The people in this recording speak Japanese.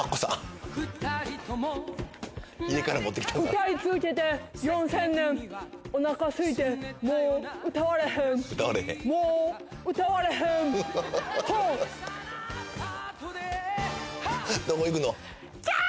歌い続けて４０００年おなかすいてもう歌われへんもう歌われへんはっ！